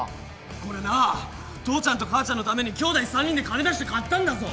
これな父ちゃんと母ちゃんのためにきょうだい３人で金出して買ったんだぞ。